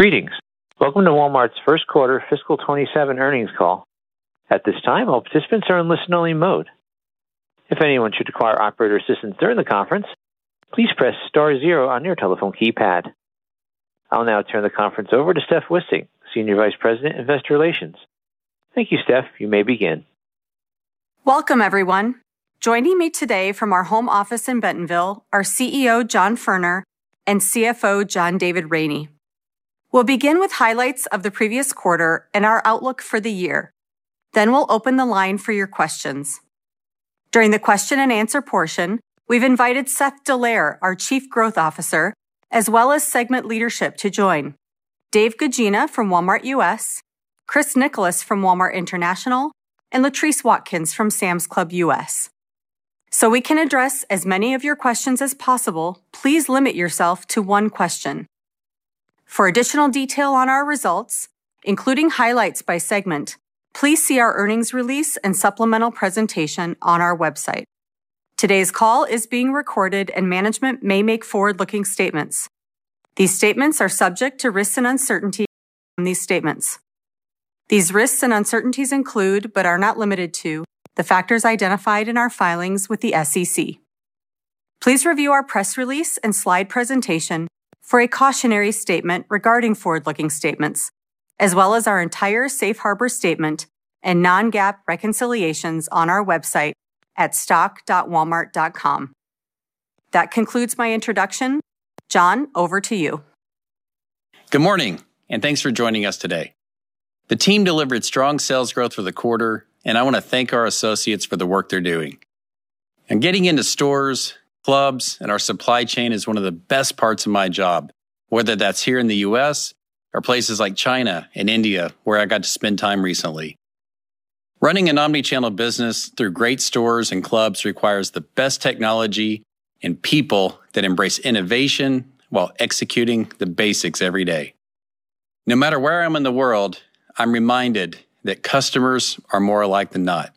Greetings. Welcome to Walmart's first quarter fiscal 2027 earnings call. At this time, all participants are in listen-only mode. If anyone should require operator assistance during the conference, please press star zero on your telephone keypad. I'll now turn the conference over to Steph Wissink, Senior Vice President of Investor Relations. Thank you, Steph. You may begin. Welcome, everyone. Joining me today from our home office in Bentonville are CEO John Furner and CFO John David Rainey. We'll begin with highlights of the previous quarter and our outlook for the year. We'll open the line for your questions. During the question and answer portion, we've invited Seth Dallaire, our Chief Growth Officer, as well as segment leadership to join. David Guggina from Walmart U.S., Chris Nicholas from Walmart International, and Latriece Watkins from Sam's Club U.S. We can address as many of your questions as possible, please limit yourself to one question. For additional detail on our results, including highlights by segment, please see our earnings release and supplemental presentation on our website. Today's call is being recorded. Management may make forward-looking statements. These statements are subject to risks and uncertainties. These risks and uncertainties include, but are not limited to, the factors identified in our filings with the SEC. Please review our press release and slide presentation for a cautionary statement regarding forward-looking statements, as well as our entire safe harbor statement and non-GAAP reconciliations on our website at stock.walmart.com. That concludes my introduction. John, over to you. Good morning, thanks for joining us today. The team delivered strong sales growth for the quarter, and I want to thank our associates for the work they're doing. Getting into stores, clubs, and our supply chain is one of the best parts of my job, whether that's here in the U.S. or places like China and India, where I got to spend time recently. Running an omnichannel business through great stores and clubs requires the best technology and people that embrace innovation while executing the basics every day. No matter where I am in the world, I'm reminded that customers are more alike than not.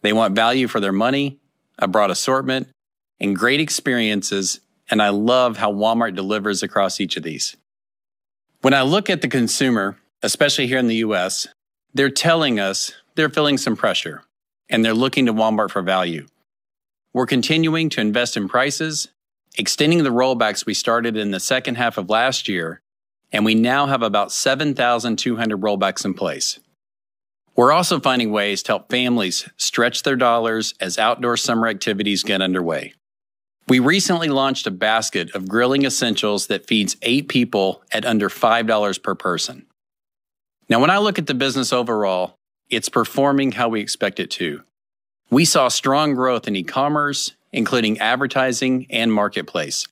They want value for their money, a broad assortment, and great experiences, and I love how Walmart delivers across each of these. When I look at the consumer, especially here in the U.S., they're telling us they're feeling some pressure, and they're looking to Walmart for value. We're continuing to invest in prices, extending the rollbacks we started in the second half of last year, and we now have about 7,200 rollbacks in place. We're also finding ways to help families stretch their dollars as outdoor summer activities get underway. We recently launched a basket of grilling essentials that feeds eight people at under $5 per person. Now, when I look at the business overall, it's performing how we expect it to. We saw strong growth in e-commerce, including advertising and Marketplace.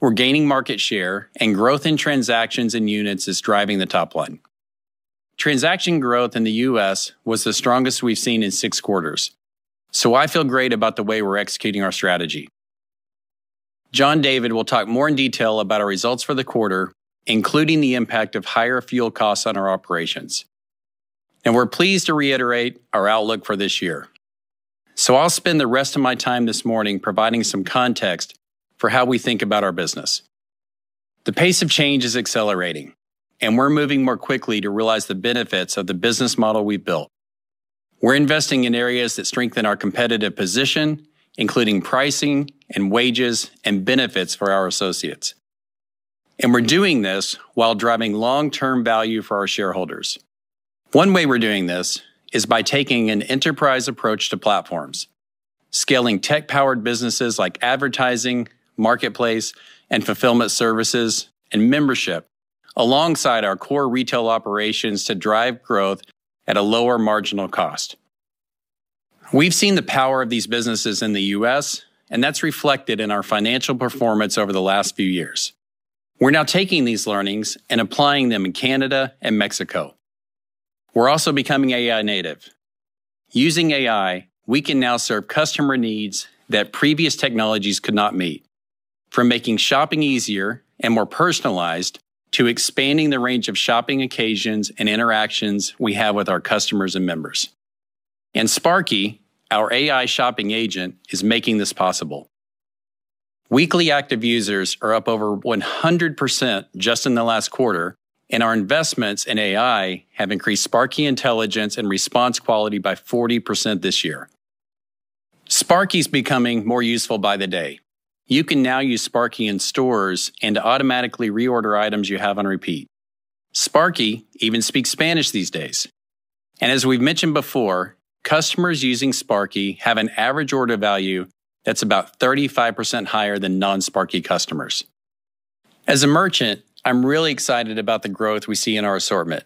We're gaining market share, and growth in transactions and units is driving the top line. Transaction growth in the U.S. was the strongest we've seen in six quarters, so I feel great about the way we're executing our strategy. John David will talk more in detail about our results for the quarter, including the impact of higher fuel costs on our operations. We're pleased to reiterate our outlook for this year. I'll spend the rest of my time this morning providing some context for how we think about our business. The pace of change is accelerating, and we're moving more quickly to realize the benefits of the business model we've built. We're investing in areas that strengthen our competitive position, including pricing and wages and benefits for our associates. We're doing this while driving long-term value for our shareholders. One way we're doing this is by taking an enterprise approach to platforms, scaling tech-powered businesses like advertising, Marketplace, and Fulfillment Services, and membership alongside our core retail operations to drive growth at a lower marginal cost. We've seen the power of these businesses in the U.S., and that's reflected in our financial performance over the last few years. We're now taking these learnings and applying them in Canada and Mexico. We're also becoming AI native. Using AI, we can now serve customer needs that previous technologies could not meet, from making shopping easier and more personalized, to expanding the range of shopping occasions and interactions we have with our customers and members. Sparky, our AI shopping agent, is making this possible. Weekly active users are up over 100% just in the last quarter, and our investments in AI have increased Sparky intelligence and response quality by 40% this year. Sparky's becoming more useful by the day. You can now use Sparky in stores and automatically reorder items you have on repeat. Sparky even speaks Spanish these days. As we've mentioned before, customers using Sparky have an average order value that's about 35% higher than non-Sparky customers. As a merchant, I'm really excited about the growth we see in our assortment.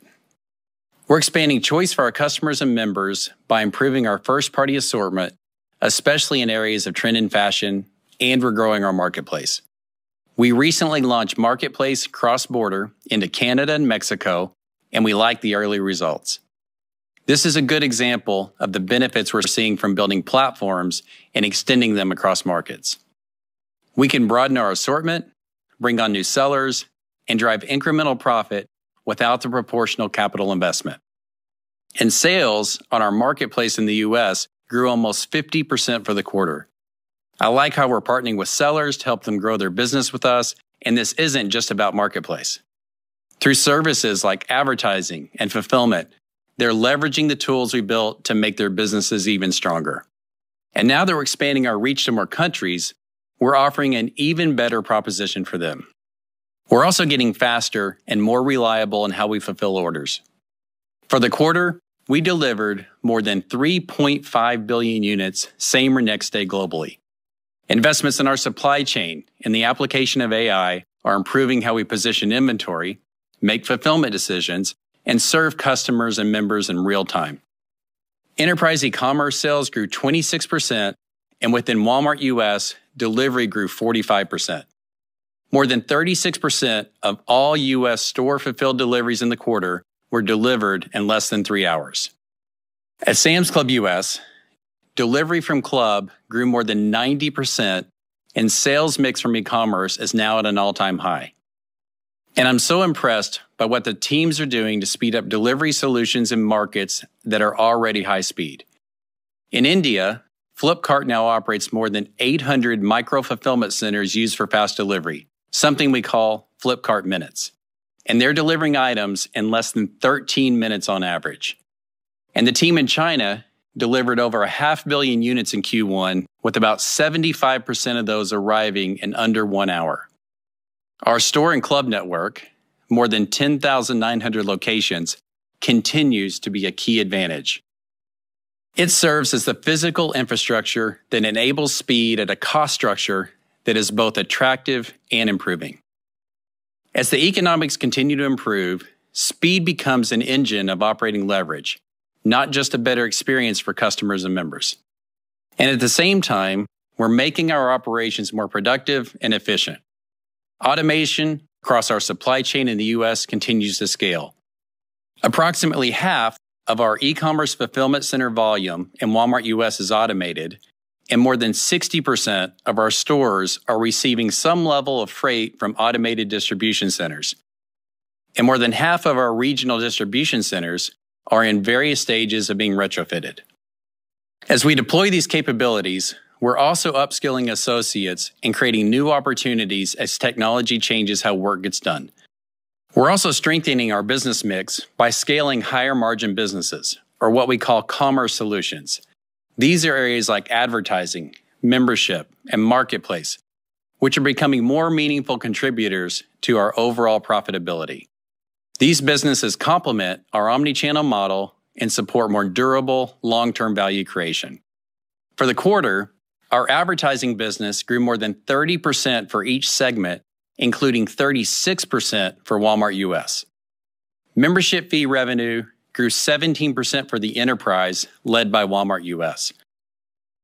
We're expanding choice for our customers and members by improving our first-party assortment, especially in areas of trend and fashion, and we're growing our Marketplace. We recently launched Marketplace cross-border into Canada and Mexico, and we like the early results. This is a good example of the benefits we're seeing from building platforms and extending them across markets. We can broaden our assortment, bring on new sellers, and drive incremental profit without the proportional capital investment. Sales on our Marketplace in the U.S. grew almost 50% for the quarter. I like how we're partnering with sellers to help them grow their business with us, and this isn't just about Marketplace. Through services like advertising and fulfillment, they're leveraging the tools we built to make their businesses even stronger. Now that we're expanding our reach to more countries, we're offering an even better proposition for them. We're also getting faster and more reliable in how we fulfill orders. For the quarter, we delivered more than 3.5 billion units, same or next day globally. Investments in our supply chain and the application of AI are improving how we position inventory, make fulfillment decisions, and serve customers and members in real time. Enterprise eCommerce sales grew 26%, and within Walmart U.S., delivery grew 45%. More than 36% of all U.S. store-fulfilled deliveries in the quarter were delivered in less than three hours. At Sam's Club U.S., delivery from Club grew more than 90%, and sales mix from eCommerce is now at an all-time high. I am so impressed by what the teams are doing to speed up delivery solutions in markets that are already high speed. In India, Flipkart now operates more than 800 micro-fulfillment centers used for fast delivery, something we call Flipkart Minutes. They are delivering items in less than 13 minutes on average. The team in China delivered over a half billion units in Q1, with about 75% of those arriving in under one hour. Our store and club network, more than 10,900 locations, continues to be a key advantage. It serves as the physical infrastructure that enables speed at a cost structure that is both attractive and improving. As the economics continue to improve, speed becomes an engine of operating leverage, not just a better experience for customers and members. At the same time, we are making our operations more productive and efficient. Automation across our supply chain in the U.S. continues to scale. Approximately half of our e-commerce fulfillment center volume in Walmart U.S. is automated. More than 60% of our stores are receiving some level of freight from automated distribution centers. More than half of our regional distribution centers are in various stages of being retrofitted. As we deploy these capabilities, we're also upskilling associates and creating new opportunities as technology changes how work gets done. We're also strengthening our business mix by scaling higher-margin businesses, or what we call commerce solutions. These are areas like advertising, membership, and marketplace, which are becoming more meaningful contributors to our overall profitability. These businesses complement our omnichannel model and support more durable long-term value creation. For the quarter, our advertising business grew more than 30% for each segment, including 36% for Walmart U.S. Membership fee revenue grew 17% for the enterprise led by Walmart U.S.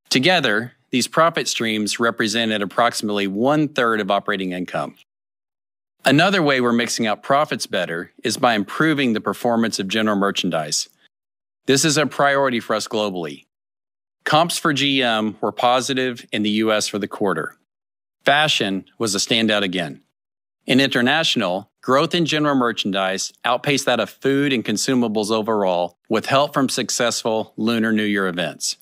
Together, these profit streams represented approximately 1/3 of operating income. Another way we're mixing up profits better is by improving the performance of general merchandise. This is a priority for us globally. Comps for GM were positive in the U.S. for the quarter. Fashion was a standout again. In international, growth in general merchandise outpaced that of food and consumables overall, with help from successful Lunar New Year events.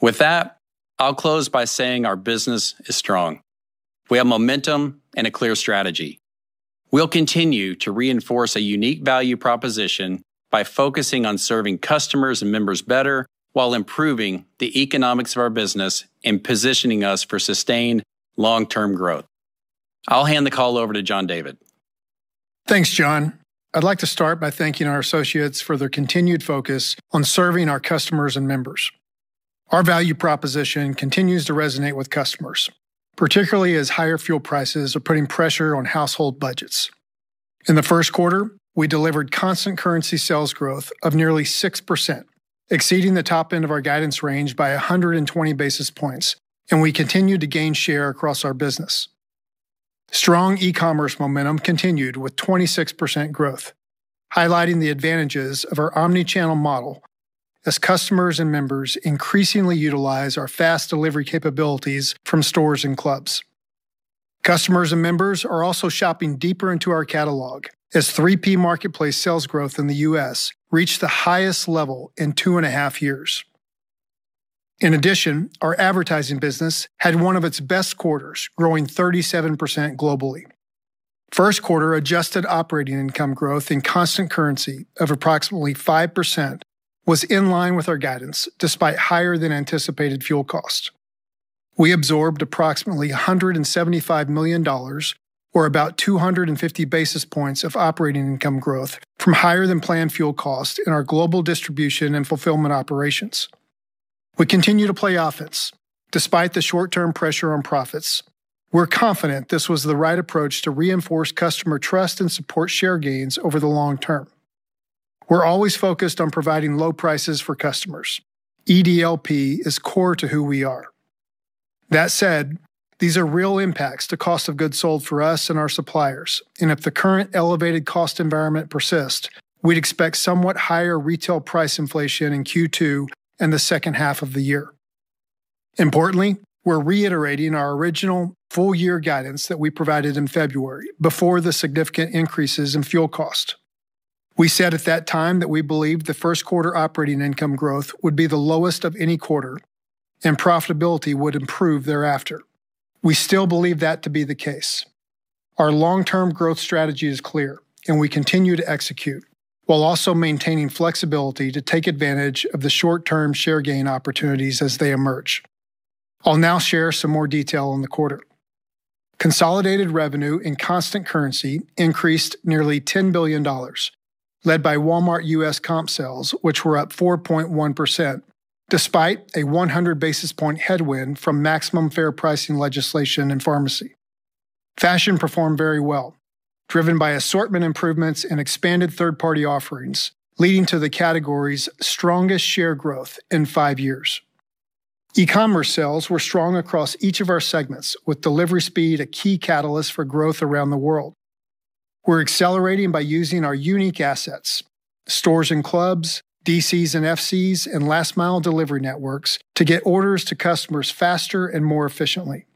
With that, I'll close by saying our business is strong. We have momentum and a clear strategy. We'll continue to reinforce a unique value proposition by focusing on serving customers and members better while improving the economics of our business and positioning us for sustained long-term growth. I'll hand the call over to John David. Thanks, John. I'd like to start by thanking our associates for their continued focus on serving our customers and members. Our value proposition continues to resonate with customers, particularly as higher fuel prices are putting pressure on household budgets. In the first quarter, we delivered constant currency sales growth of nearly 6%, exceeding the top end of our guidance range by 120 basis points, and we continued to gain share across our business. Strong eCommerce momentum continued with 26% growth, highlighting the advantages of our omni-channel model as customers and members increasingly utilize our fast delivery capabilities from stores and clubs. Customers and members are also shopping deeper into our catalog, as 3P marketplace sales growth in the U.S. reached the highest level in two and a half years. In addition, our advertising business had one of its best quarters, growing 37% globally. First quarter adjusted operating income growth in constant currency of approximately 5% was in line with our guidance, despite higher-than-anticipated fuel costs. We absorbed approximately $175 million, or about 250 basis points of operating income growth, from higher-than-planned fuel costs in our global distribution and fulfillment operations. We continue to play offense, despite the short-term pressure on profits. We're confident this was the right approach to reinforce customer trust and support share gains over the long term. We're always focused on providing low prices for customers. EDLP is core to who we are. That said, these are real impacts to cost of goods sold for us and our suppliers. If the current elevated cost environment persists, we'd expect somewhat higher retail price inflation in Q2 and the second half of the year. Importantly, we're reiterating our original full-year guidance that we provided in February before the significant increases in fuel cost. We said at that time that we believed the first quarter operating income growth would be the lowest of any quarter, and profitability would improve thereafter. We still believe that to be the case. Our long-term growth strategy is clear, and we continue to execute, while also maintaining flexibility to take advantage of the short-term share gain opportunities as they emerge. I'll now share some more detail on the quarter. Consolidated revenue in constant currency increased nearly $10 billion, led by Walmart U.S. comp sales, which were up 4.1%, despite a 100 basis point headwind from Maximum Fair Price legislation in pharmacy. Fashion performed very well, driven by assortment improvements and expanded third-party offerings, leading to the category's strongest share growth in five years. E-commerce sales were strong across each of our segments, with delivery speed a key catalyst for growth around the world. We're accelerating by using our unique assets, stores and clubs, DCs and FCs, and last-mile delivery networks to get orders to customers faster and more efficiently.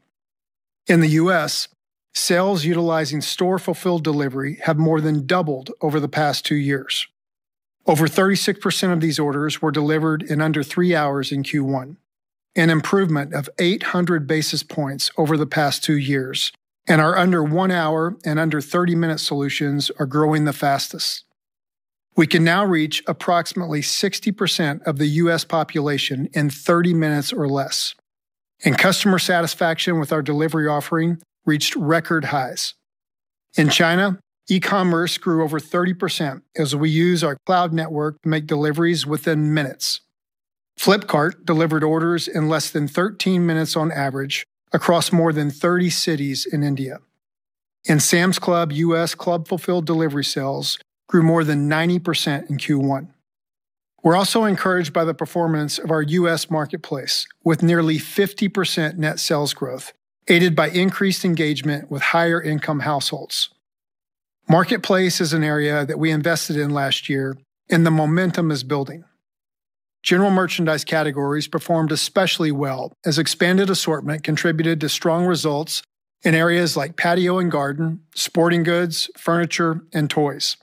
In the U.S., sales utilizing store-fulfilled delivery have more than doubled over the past two years. Over 36% of these orders were delivered in under three hours in Q1, an improvement of 800 basis points over the past two years, and our under one hour and under 30-minute solutions are growing the fastest. We can now reach approximately 60% of the U.S. population in 30 minutes or less, and customer satisfaction with our delivery offering reached record highs. In China, e-commerce grew over 30% as we use our cloud network to make deliveries within minutes. Flipkart delivered orders in less than 13 minutes on average across more than 30 cities in India. In Sam's Club, U.S. club-fulfilled delivery sales grew more than 90% in Q1. We're also encouraged by the performance of our U.S. marketplace, with nearly 50% net sales growth, aided by increased engagement with higher-income households. Marketplace is an area that we invested in last year. The momentum is building. General merchandise categories performed especially well as expanded assortment contributed to strong results in areas like patio and garden, sporting goods, furniture, and toys.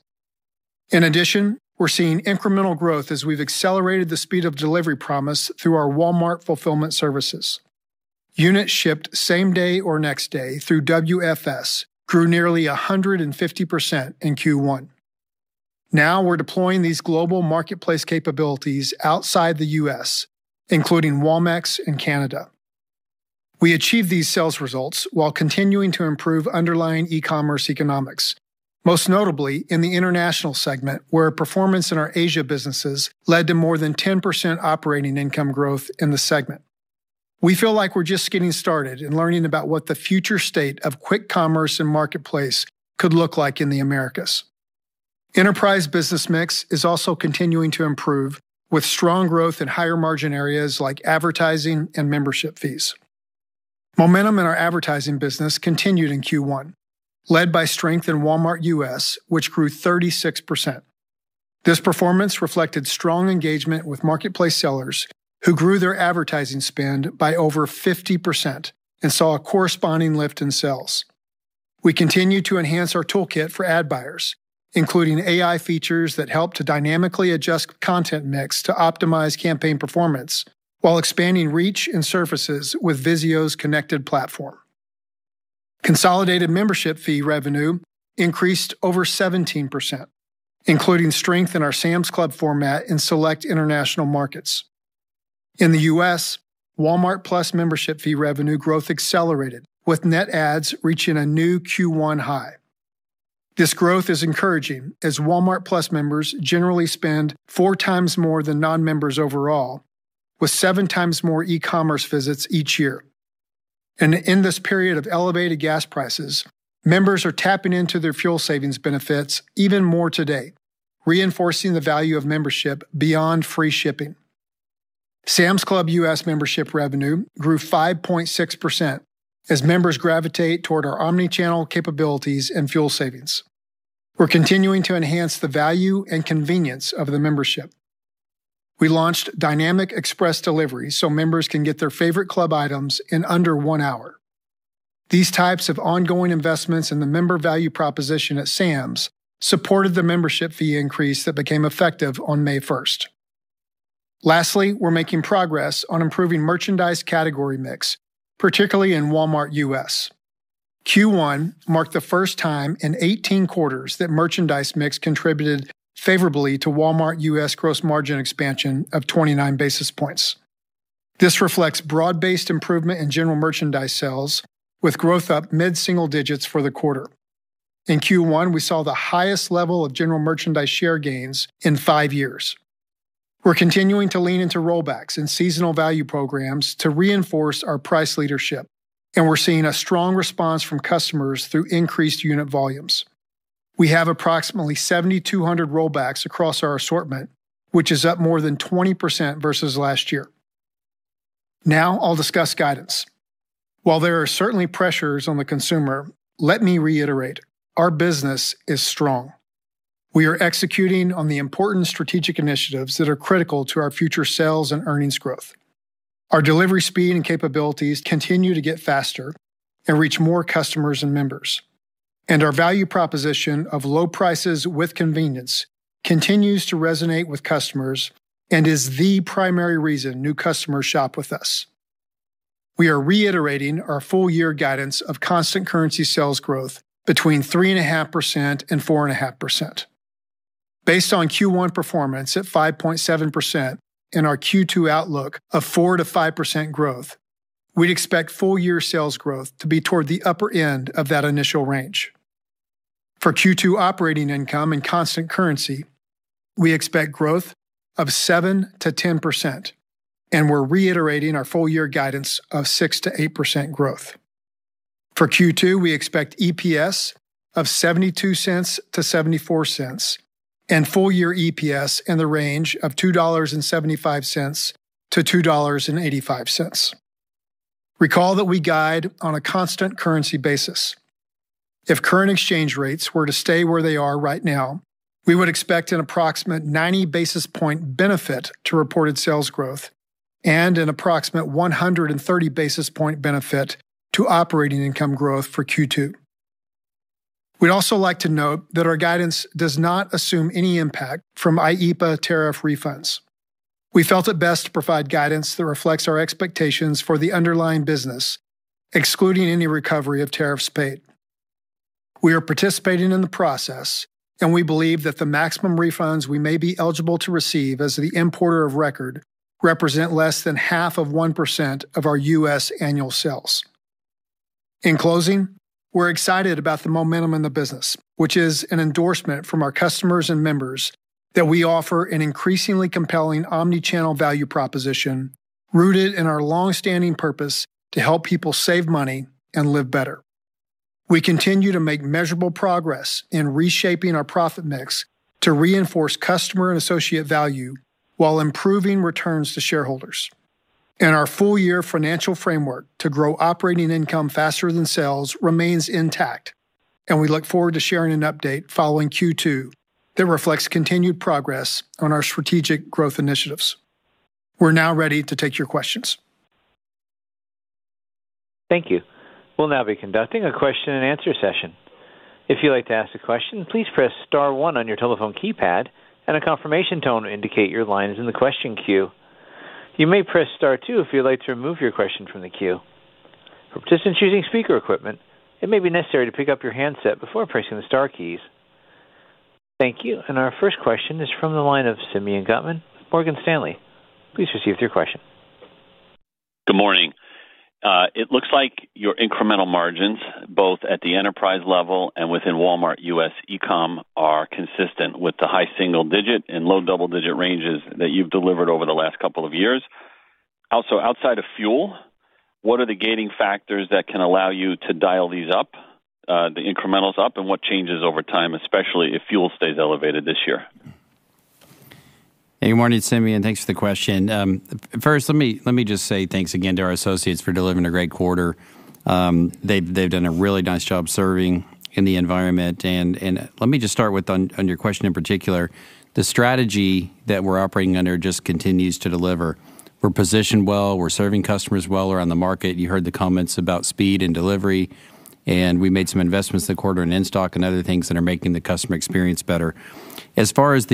In addition, we're seeing incremental growth as we've accelerated the speed of delivery promise through our Walmart Fulfillment Services. Units shipped same day or next day through WFS grew nearly 150% in Q1. Now we're deploying these global marketplace capabilities outside the U.S., including Walmex and Canada. We achieved these sales results while continuing to improve underlying e-commerce economics, most notably in the International segment where performance in our Asia businesses led to more than 10% operating income growth in the segment. We feel like we're just getting started in learning about what the future state of quick commerce and marketplace could look like in the Americas. Enterprise business mix is also continuing to improve with strong growth in higher-margin areas like advertising and membership fees. Momentum in our advertising business continued in Q1, led by strength in Walmart U.S., which grew 36%. This performance reflected strong engagement with marketplace sellers who grew their advertising spend by over 50% and saw a corresponding lift in sales. We continue to enhance our toolkit for ad buyers, including AI features that help to dynamically adjust content mix to optimize campaign performance while expanding reach and surfaces with VIZIO OS connected platform. Consolidated membership fee revenue increased over 17%, including strength in our Sam's Club format in select international markets. In the U.S., Walmart+ membership fee revenue growth accelerated, with net adds reaching a new Q1 high. This growth is encouraging as Walmart+ members generally spend four times more than non-members overall, with seven times more e-commerce visits each year. In this period of elevated gas prices, members are tapping into their fuel savings benefits even more today, reinforcing the value of membership beyond free shipping. Sam's Club U.S. membership revenue grew 5.6% as members gravitate toward our omnichannel capabilities and fuel savings. We're continuing to enhance the value and convenience of the membership. We launched Dynamic Express Delivery so members can get their favorite club items in under one hour. These types of ongoing investments in the member value proposition at Sam's supported the membership fee increase that became effective on May 1st. Lastly, we're making progress on improving merchandise category mix, particularly in Walmart U.S. Q1 marked the first time in 18 quarters that merchandise mix contributed favorably to Walmart U.S. gross margin expansion of 29 basis points. This reflects broad-based improvement in general merchandise sales, with growth up mid-single digits for the quarter. In Q1, we saw the highest level of general merchandise share gains in five years. We're continuing to lean into rollbacks and seasonal value programs to reinforce our price leadership, and we're seeing a strong response from customers through increased unit volumes. We have approximately 7,200 rollbacks across our assortment, which is up more than 20% versus last year. Now I'll discuss guidance. While there are certainly pressures on the consumer, let me reiterate, our business is strong. We are executing on the important strategic initiatives that are critical to our future sales and earnings growth. Our delivery speed and capabilities continue to get faster and reach more customers and members. Our value proposition of low prices with convenience continues to resonate with customers and is the primary reason new customers shop with us. We are reiterating our full year guidance of constant currency sales growth between 3.5% and 4.5%. Based on Q1 performance at 5.7% and our Q2 outlook of 4%-5% growth, we'd expect full year sales growth to be toward the upper end of that initial range. For Q2 operating income and constant currency, we expect growth of 7%-10%, and we're reiterating our full year guidance of 6%-8% growth. For Q2, we expect EPS of $0.72-$0.74 and full year EPS in the range of $2.75-$2.85. Recall that we guide on a constant currency basis. If current exchange rates were to stay where they are right now, we would expect an approximate 90 basis point benefit to reported sales growth and an approximate 130 basis point benefit to operating income growth for Q2. We'd also like to note that our guidance does not assume any impact from IEEPA tariff refunds. We felt it best to provide guidance that reflects our expectations for the underlying business, excluding any recovery of tariffs paid. We are participating in the process, we believe that the maximum refunds we may be eligible to receive as the importer of record represent less than 1/2 of 1% of our U.S. annual sales. In closing, we're excited about the momentum in the business, which is an endorsement from our customers and members that we offer an increasingly compelling omnichannel value proposition rooted in our longstanding purpose to help people save money and live better. We continue to make measurable progress in reshaping our profit mix to reinforce customer and associate value while improving returns to shareholders. Our full year financial framework to grow operating income faster than sales remains intact, and we look forward to sharing an update following Q2 that reflects continued progress on our strategic growth initiatives. We're now ready to take your questions. Thank you. We now be conduction question-and-answers session. If you would wish to ask a question please press star one your telephone keypad and a confirmation tone will indicate your line is in the question queue. You may press star two if you would like to remove your question from the queue. [inaudible] It maybe necrcessary to pick up your handset before pressing the star keys. Thank you. Our first question is from the line of Simeon Gutman, Morgan Stanley. Please proceed with your question. Good morning. It looks like your incremental margins, both at the enterprise level and within Walmart U.S. e-com, are consistent with the high single-digit and low double-digit ranges that you've delivered over the last couple of years. Also, outside of fuel, what are the gaining factors that can allow you to dial these up, the incrementals up, and what changes over time, especially if fuel stays elevated this year? Hey, morning, Simeon. Thanks for the question. First, let me just say thanks again to our associates for delivering a great quarter. They've done a really nice job serving in the environment. Let me just start with, on your question in particular, the strategy that we're operating under just continues to deliver. We're positioned well, we're serving customers well around the market. You heard the comments about speed and delivery, and we made some investments this quarter in in-stock and other things that are making the customer experience better. As far as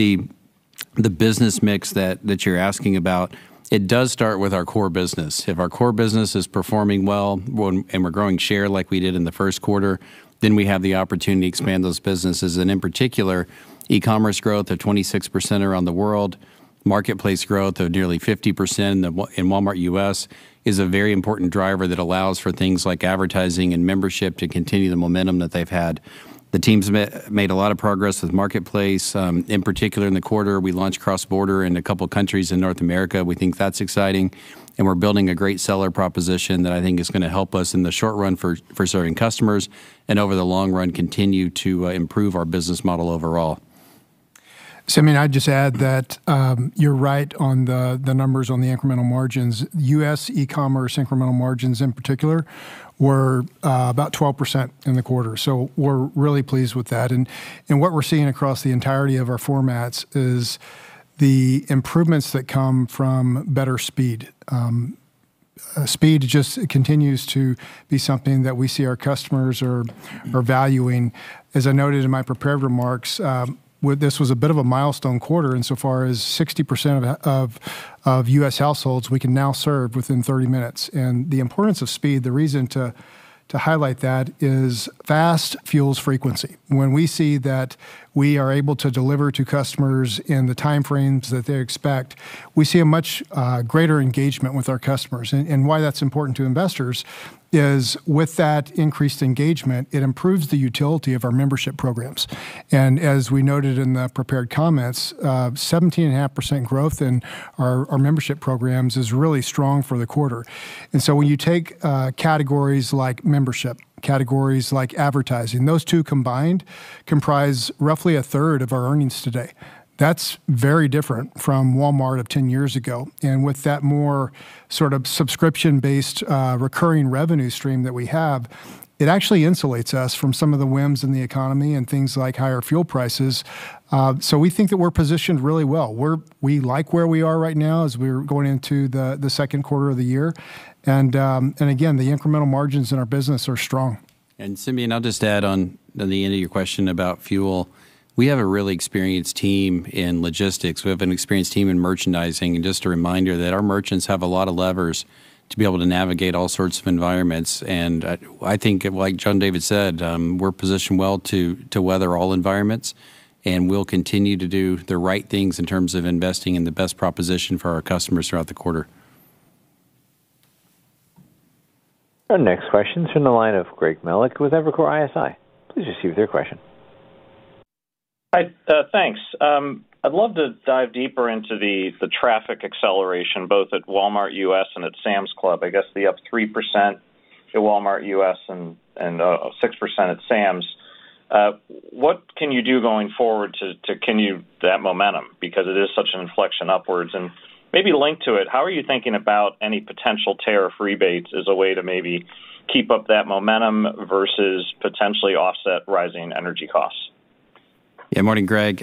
the business mix that you're asking about, it does start with our core business. If our core business is performing well and we're growing share like we did in the first quarter, then we have the opportunity to expand those businesses. In particular, e-commerce growth of 26% around the world, Walmart Marketplace growth of nearly 50% in Walmart U.S. is a very important driver that allows for things like advertising and membership to continue the momentum that they've had. The team's made a lot of progress with marketplace, in particular in the quarter. We launched cross-border in two countries in North America. We think that's exciting, and we're building a great seller proposition that I think is going to help us in the short run for serving customers and over the long run continue to improve our business model overall. Simeon, I'd just add that you're right on the numbers on the incremental margins. U.S. e-commerce incremental margins in particular were about 12% in the quarter. We're really pleased with that. What we're seeing across the entirety of our formats is the improvements that come from better speed. Speed just continues to be something that we see our customers are valuing. As I noted in my prepared remarks, this was a bit of a milestone quarter insofar as 60% of U.S. households we can now serve within 30 minutes. The importance of speed, the reason to highlight that is fast fuels frequency. When we see that we are able to deliver to customers in the time frames that they expect, we see a much greater engagement with our customers. Why that's important to investors is with that increased engagement, it improves the utility of our membership programs. As we noted in the prepared comments, 17.5% growth in our membership programs is really strong for the quarter. When you take categories like membership, categories like advertising, those two combined comprise roughly 1/3 of our earnings today. That's very different from Walmart of 10 years ago. With that more sort of subscription-based recurring revenue stream that we have, it actually insulates us from some of the whims in the economy and things like higher fuel prices. We think that we're positioned really well. We like where we are right now as we're going into the second quarter of the year. Again, the incremental margins in our business are strong. Simeon, I'll just add on the end of your question about fuel. We have a really experienced team in logistics. We have an experienced team in merchandising. Just a reminder that our merchants have a lot of levers to be able to navigate all sorts of environments. I think, like John David said, we're positioned well to weather all environments, and we'll continue to do the right things in terms of investing in the best proposition for our customers throughout the quarter. Our next question's from the line of Greg Melich with Evercore ISI. Please issue your question. Hi. Thanks. I'd love to dive deeper into the traffic acceleration, both at Walmart U.S. and at Sam's Club. I guess the up 3% at Walmart U.S. and 6% at Sam's. What can you do going forward to continue that momentum? Because it is such an inflection upwards. Maybe linked to it, how are you thinking about any potential tariff rebates as a way to maybe keep up that momentum versus potentially offset rising energy costs? Yeah, morning Greg.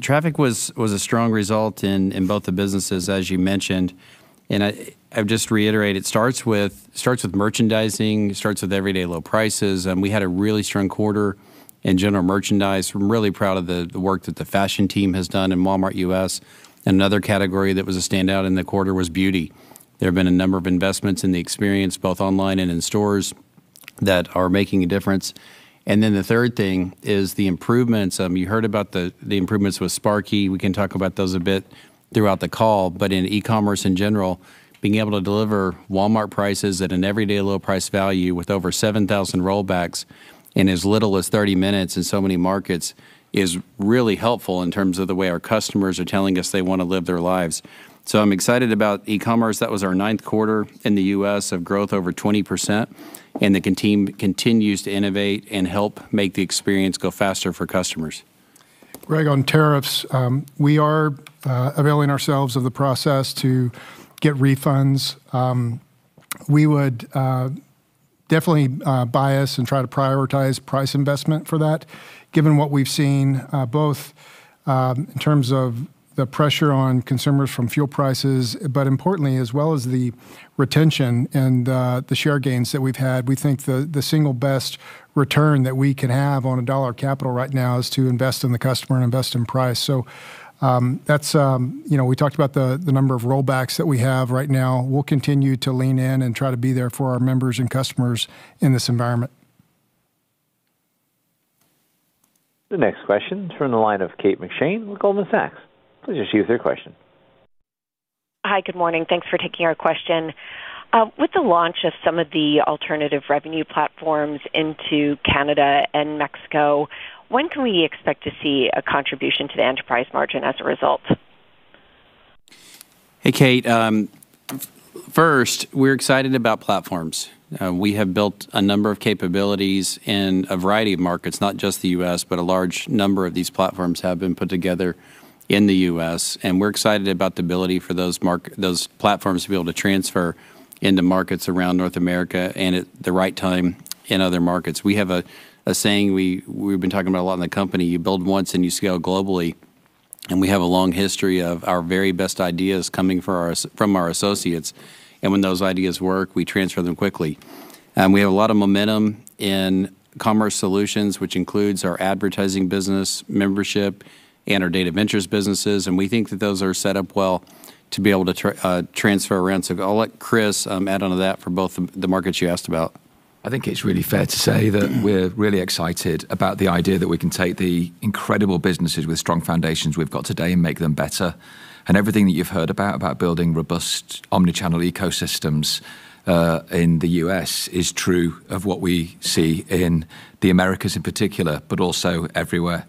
Traffic was a strong result in both the businesses, as you mentioned. I'll just reiterate, it starts with merchandising, starts with Everyday Low Prices. We had a really strong quarter in general merchandise. We're really proud of the work that the fashion team has done in Walmart U.S. Another category that was a standout in the quarter was beauty. There have been a number of investments in the experience, both online and in stores, that are making a difference. The third thing is the improvements. You heard about the improvements with Sparky. We can talk about those a bit throughout the call. In e-commerce in general, being able to deliver Walmart prices at an everyday low price value with over 7,000 rollbacks in as little as 30 minutes in so many markets is really helpful in terms of the way our customers are telling us they want to live their lives. I'm excited about e-commerce. That was our ninth quarter in the U.S. of growth over 20%, and the team continues to innovate and help make the experience go faster for customers. Greg, on tariffs, we are availing ourselves of the process to get refunds. We would definitely bias and try to prioritize price investment for that, given what we've seen, both in terms of the pressure on consumers from fuel prices, but importantly, as well as the retention and the share gains that we've had. We think the single best return that we can have on a dollar capital right now is to invest in the customer and invest in price. We talked about the number of rollbacks that we have right now. We'll continue to lean in and try to be there for our members and customers in this environment. The next question's from the line of Kate McShane with Goldman Sachs. Please issue your question. Hi. Good morning. Thanks for taking our question. With the launch of some of the alternative revenue platforms into Canada and Mexico, when can we expect to see a contribution to the enterprise margin as a result? Hey, Kate. We're excited about platforms. We have built a number of capabilities in a variety of markets, not just the U.S., but a large number of these platforms have been put together in the U.S. We're excited about the ability for those platforms to be able to transfer into markets around North America and at the right time in other markets. We have a saying we've been talking about a lot in the company, you build once and you scale globally. We have a long history of our very best ideas coming from our associates. When those ideas work, we transfer them quickly. We have a lot of momentum in commerce solutions, which includes our advertising business membership and our data ventures businesses. We think that those are set up well to be able to transfer around. I'll let Chris add onto that for both the markets you asked about. I think it's really fair to say that we're really excited about the idea that we can take the incredible businesses with strong foundations we've got today and make them better. Everything that you've heard about building robust omnichannel ecosystems, in the U.S., is true of what we see in the Americas in particular, but also everywhere.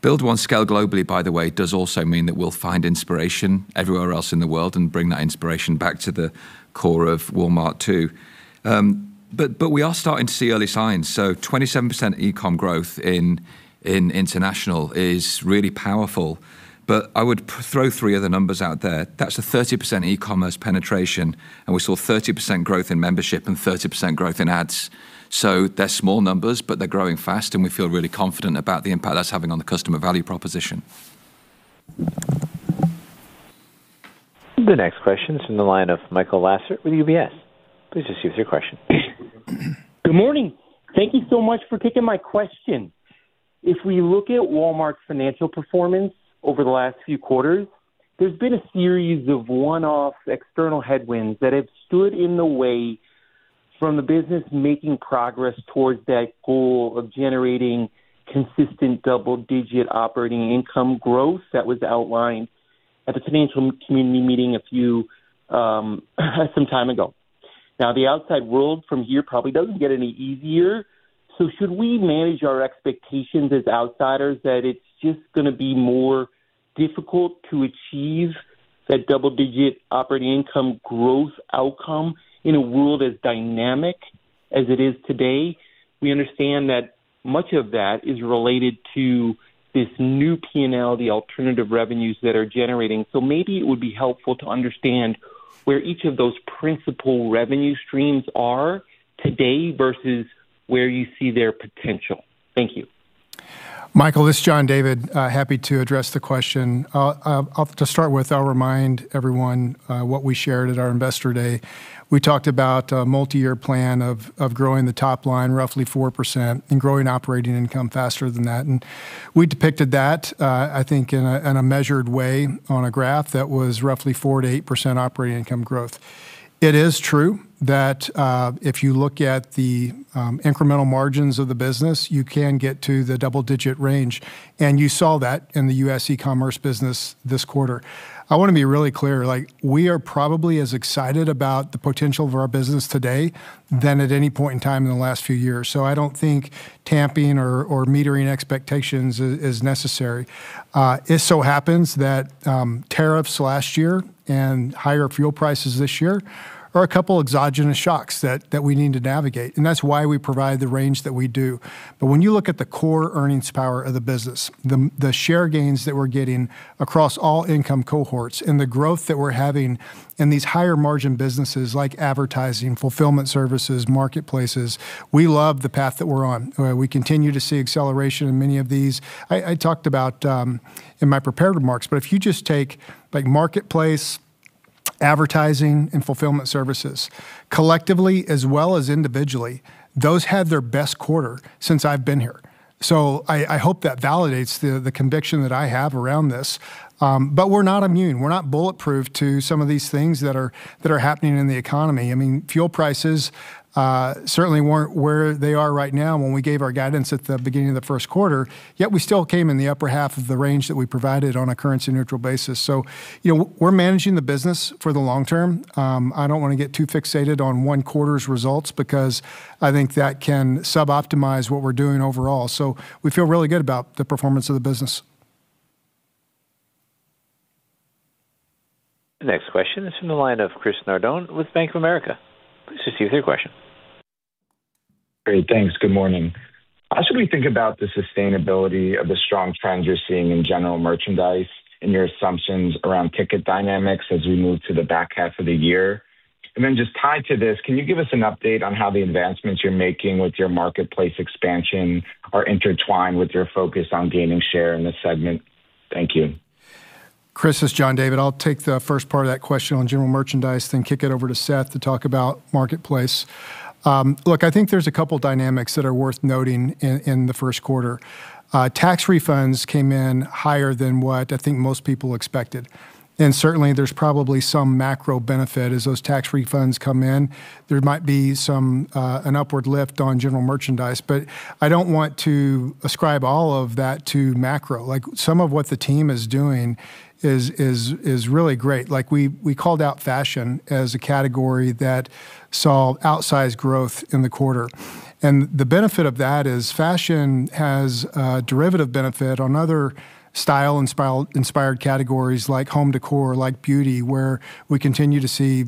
Build one scale globally, by the way, does also mean that we'll find inspiration everywhere else in the world and bring that inspiration back to the core of Walmart too. We are starting to see early signs. 27% e-com growth in international is really powerful. I would throw three other numbers out there. That's a 30% e-commerce penetration, and we saw 30% growth in membership and 30% growth in ads. They're small numbers, but they're growing fast, and we feel really confident about the impact that's having on the customer value proposition. The next question's from the line of Michael Lasser with UBS. Please issue your question. Good morning. Thank you so much for taking my question. If we look at Walmart's financial performance over the last few quarters, there's been a series of one-off external headwinds that have stood in the way from the business making progress towards that goal of generating consistent double-digit operating income growth that was outlined at the financial community meeting some time ago. The outside world from here probably doesn't get any easier. Should we manage our expectations as outsiders that it's just going to be more difficult to achieve that double-digit operating income growth outcome in a world as dynamic as it is today? We understand that much of that is related to this new P&L, the alternative revenues that are generating. Maybe it would be helpful to understand where each of those principal revenue streams are today versus where you see their potential. Thank you. Michael, this is John David. Happy to address the question. To start with, I'll remind everyone what we shared at our Investor Day. We talked about a multi-year plan of growing the top line roughly 4% and growing operating income faster than that. We depicted that, I think, in a measured way on a graph that was roughly 4%-8% operating income growth. It is true that if you look at the incremental margins of the business, you can get to the double-digit range, and you saw that in the U.S. e-commerce business this quarter. I want to be really clear. We are probably as excited about the potential of our business today than at any point in time in the last few years. I don't think tamping or metering expectations is necessary. It so happens that tariffs last year and higher fuel prices this year are a couple exogenous shocks that we need to navigate, and that's why we provide the range that we do. When you look at the core earnings power of the business, the share gains that we're getting across all income cohorts and the growth that we're having in these higher-margin businesses like advertising, fulfillment services, marketplaces, we love the path that we're on. We continue to see acceleration in many of these. I talked about in my prepared remarks, but if you just take marketplace, advertising, and fulfillment services, collectively as well as individually, those had their best quarter since I've been here. I hope that validates the conviction that I have around this. We're not immune. We're not bulletproof to some of these things that are happening in the economy. Fuel prices certainly weren't where they are right now when we gave our guidance at the beginning of the first quarter, yet we still came in the upper half of the range that we provided on a currency-neutral basis. We're managing the business for the long term. I don't want to get too fixated on one quarter's results because I think that can suboptimize what we're doing overall. We feel really good about the performance of the business. The next question is from the line of Chris Nardone with Bank of America. Please proceed with your question. Great. Thanks. Good morning. How should we think about the sustainability of the strong trends you're seeing in general merchandise and your assumptions around ticket dynamics as we move to the back half of the year? Just tied to this, can you give us an update on how the advancements you're making with your marketplace expansion are intertwined with your focus on gaining share in this segment? Thank you. Chris, this is John David. I'll take the first part of that question on general merchandise, then kick it over to Seth to talk about Marketplace. I think there's a couple dynamics that are worth noting in the first quarter. Tax refunds came in higher than what I think most people expected. Certainly, there's probably some macro benefit as those tax refunds come in. There might be an upward lift on general merchandise, I don't want to ascribe all of that to macro. Some of what the team is doing is really great. We called out fashion as a category that saw outsized growth in the quarter. The benefit of that is fashion has a derivative benefit on other style-inspired categories like home decor, like beauty, where we continue to see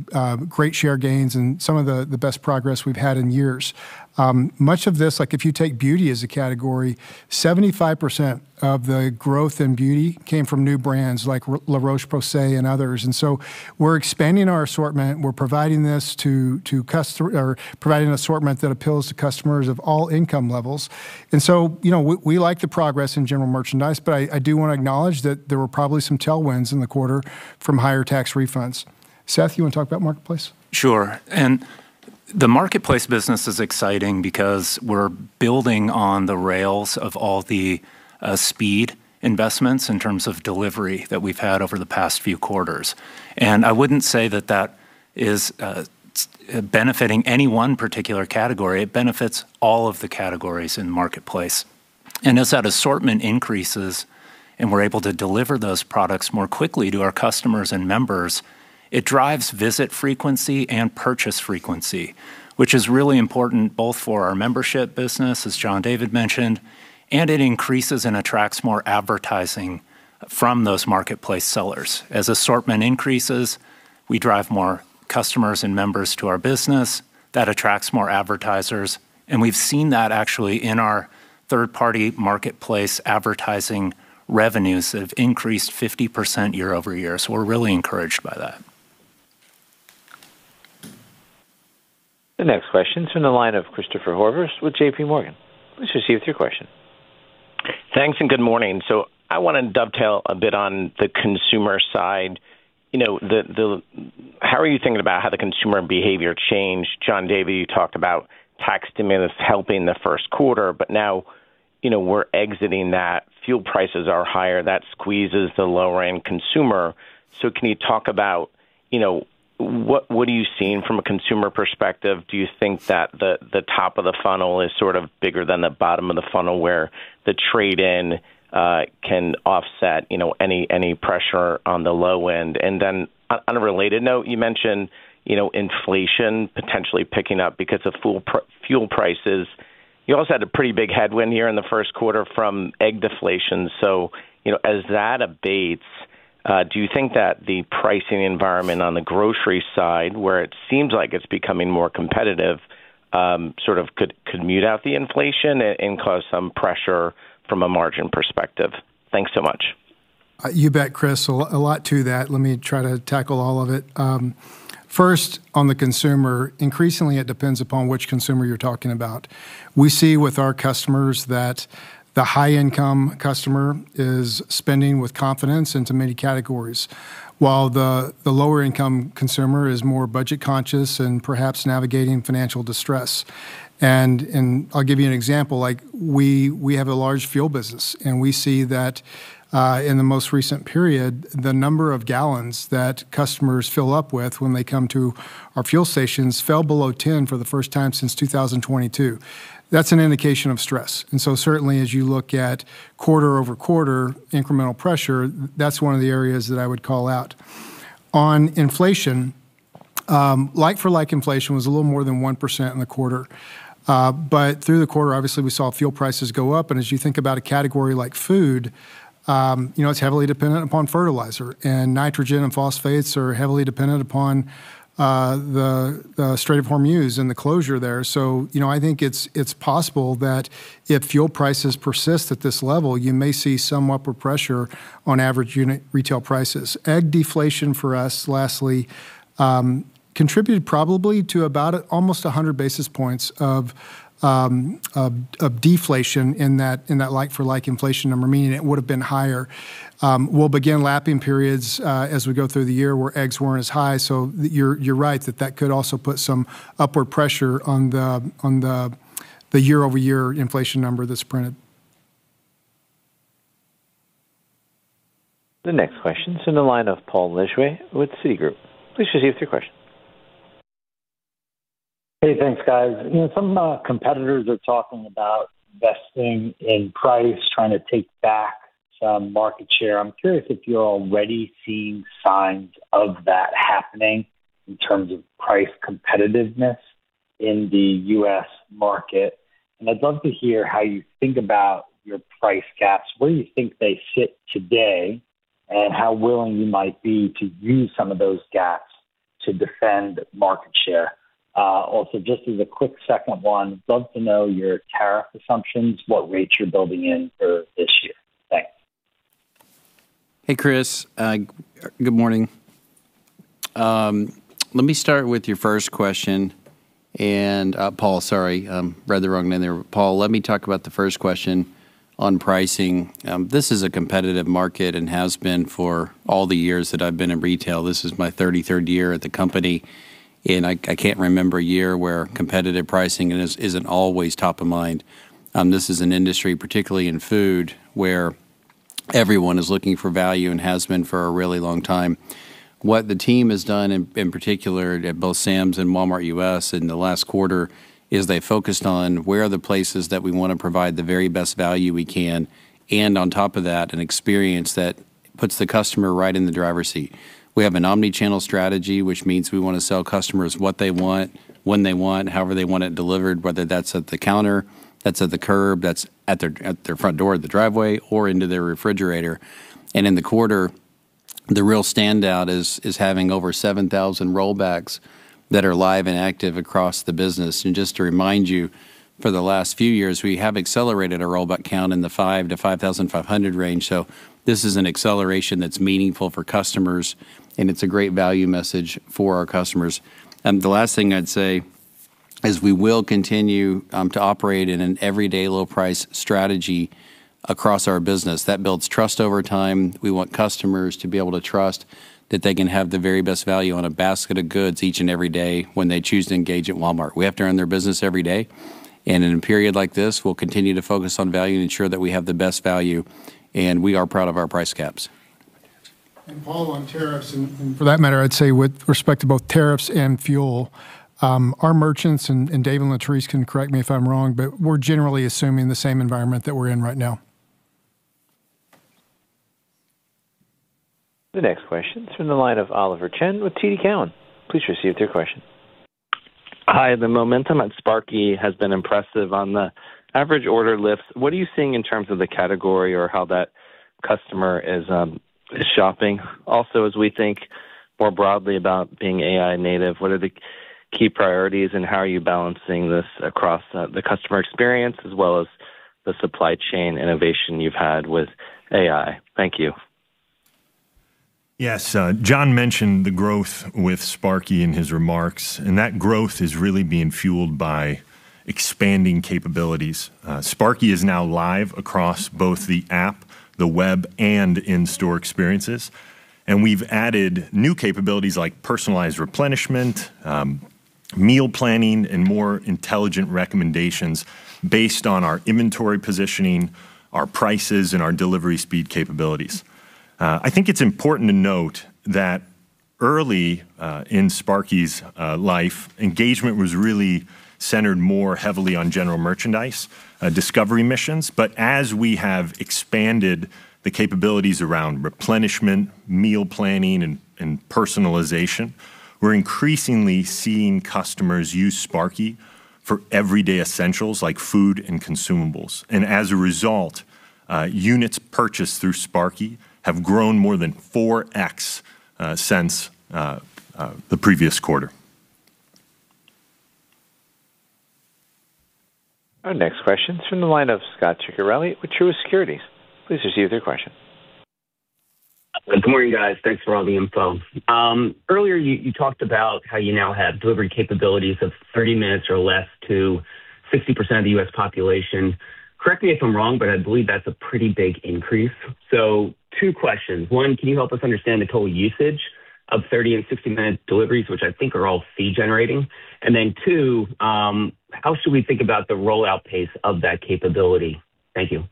great share gains and some of the best progress we've had in years Much of this, if you take beauty as a category, 75% of the growth in beauty came from new brands like La Roche-Posay and others. We're expanding our assortment. We're providing an assortment that appeals to customers of all income levels. We like the progress in general merchandise, but I do want to acknowledge that there were probably some tailwinds in the quarter from higher tax refunds. Seth, you want to talk about marketplace? Sure. The marketplace business is exciting because we're building on the rails of all the speed investments in terms of delivery that we've had over the past few quarters. I wouldn't say that that is benefiting any one particular category. It benefits all of the categories in the marketplace. As that assortment increases, and we're able to deliver those products more quickly to our customers and members. It drives visit frequency and purchase frequency, which is really important both for our membership business, as John David mentioned, and it increases and attracts more advertising from those marketplace sellers. As assortment increases, we drive more customers and members to our business. That attracts more advertisers, and we've seen that actually in our third-party marketplace advertising revenues that have increased 50% year-over-year. We're really encouraged by that. The next question's from the line of Christopher Horvers with JPMorgan. Please proceed with your question. Thanks, good morning. I want to dovetail a bit on the consumer side. How are you thinking about how the consumer behavior changed? John David, you talked about tax stimulus helping the first quarter, now we're exiting that. Fuel prices are higher. That squeezes the lower-end consumer. Can you talk about what are you seeing from a consumer perspective? Do you think that the top of the funnel is sort of bigger than the bottom of the funnel, where the trade-in can offset any pressure on the low end? On a related note, you mentioned inflation potentially picking up because of fuel prices. You also had a pretty big headwind here in the first quarter from egg deflation. As that abates, do you think that the pricing environment on the grocery side, where it seems like it's becoming more competitive, could mute out the inflation and cause some pressure from a margin perspective? Thanks so much. You bet, Chris. A lot to that. Let me try to tackle all of it. First, on the consumer, increasingly, it depends upon which consumer you're talking about. We see with our customers that the high-income customer is spending with confidence into many categories, while the lower-income consumer is more budget conscious and perhaps navigating financial distress. I'll give you an example. We have a large fuel business, and we see that in the most recent period, the number of gallons that customers fill up with when they come to our fuel stations fell below 10 for the first time since 2022. That's an indication of stress. Certainly as you look at quarter-over-quarter incremental pressure, that's one of the areas that I would call out. On inflation, like-for-like inflation was a little more than 1% in the quarter. Through the quarter, obviously, we saw fuel prices go up, and as you think about a category like food, it's heavily dependent upon fertilizer, and nitrogen and phosphates are heavily dependent upon the Strait of Hormuz and the closure there. I think it's possible that if fuel prices persist at this level, you may see some upward pressure on average unit retail prices. Egg deflation for us, lastly, contributed probably to about almost 100 basis points of deflation in that like-for-like inflation number, meaning it would've been higher. We'll begin lapping periods as we go through the year where eggs weren't as high. You're right, that could also put some upward pressure on the year-over-year inflation number that's printed. The next question is in the line of Paul Lejuez with Citigroup. Please proceed with your question. Hey, thanks, guys. Some competitors are talking about investing in price, trying to take back some market share. I'm curious if you're already seeing signs of that happening in terms of price competitiveness in the U.S. market, and I'd love to hear how you think about your price gaps. Where do you think they sit today, and how willing you might be to use some of those gaps to defend market share? Also, just as a quick second one, love to know your tariff assumptions, what rates you're building in for this year. Thanks. Hey, Chris. Good morning. Let me start with your first question, and Paul, sorry. Read the wrong name there. Paul, let me talk about the first question on pricing. This is a competitive market and has been for all the years that I've been in retail. This is my 33rd year at the company, and I can't remember a year where competitive pricing isn't always top of mind. This is an industry, particularly in food, where everyone is looking for value and has been for a really long time. What the team has done, in particular at both Sam's and Walmart U.S. in the last quarter, is they focused on where are the places that we want to provide the very best value we can, and on top of that, an experience that puts the customer right in the driver's seat. We have an omnichannel strategy, which means we want to sell customers what they want, when they want, however they want it delivered, whether that's at the counter, that's at the curb, that's at their front door or the driveway, or into their refrigerator. In the quarter, the real standout is having over 7,000 rollbacks that are live and active across the business. Just to remind you, for the last few years, we have accelerated our rollback count in the 5,000-5,500 range. This is an acceleration that's meaningful for customers, and it's a great value message for our customers. The last thing I'd say is we will continue to operate in an Everyday Low Price strategy across our business. That builds trust over time. We want customers to be able to trust that they can have the very best value on a basket of goods each and every day when they choose to engage at Walmart. We have to earn their business every day. In a period like this, we'll continue to focus on value and ensure that we have the best value, and we are proud of our price gaps. Paul, on tariffs, and for that matter, I'd say with respect to both tariffs and fuel, our merchants, and Dave and Latriece can correct me if I'm wrong, but we're generally assuming the same environment that we're in right now. The next question is from the line of Oliver Chen with TD Cowen. Please proceed with your question. Hi. The momentum at Sparky has been impressive on the average order lifts. What are you seeing in terms of the category or how that customer is shopping? Also, as we think more broadly about being AI native, what are the key priorities and how are you balancing this across the customer experience as well as the supply chain innovation you've had with AI? Thank you. Yes. John mentioned the growth with Sparky in his remarks, that growth is really being fueled by expanding capabilities. Sparky is now live across both the app, the web, and in-store experiences, and we've added new capabilities like personalized replenishment, meal planning, and more intelligent recommendations based on our inventory positioning, our prices, and our delivery speed capabilities. I think it's important to note that early in Sparky's life, engagement was really centered more heavily on general merchandise discovery missions. As we have expanded the capabilities around replenishment, meal planning, and personalization, we're increasingly seeing customers use Sparky for everyday essentials like food and consumables. As a result, units purchased through Sparky have grown more than 4x since the previous quarter. Our next question is from the line of Scot Ciccarelli with Truist Securities. Please proceed with your question. Good morning, guys. Thanks for all the info. Earlier, you talked about how you now have delivery capabilities of 30 minutes or less to 60% of the U.S. population. Correct me if I'm wrong, I believe that's a pretty big increase. Two questions. One, can you help us understand the total usage of 30 and 60-minute deliveries, which I think are all fee generating? Two, how should we think about the rollout pace of that capability? Thank you.